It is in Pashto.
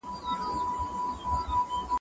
میوه د مدینې فقیرانو ته ورسیده.